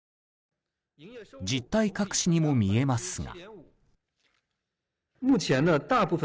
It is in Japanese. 実態隠しにも見えますが。